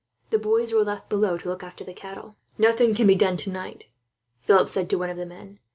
The boys were left below, to look after the cattle. "Nothing can be done tonight," Philip said to some of the men.